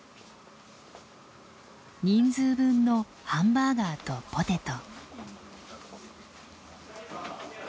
人数分のハンバーガーとポテト。